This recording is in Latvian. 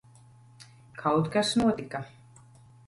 Kaut kas notika.